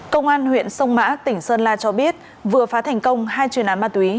công an huyện sông mã tỉnh sơn la cho biết vừa phá thành công hai chuyên án ma túy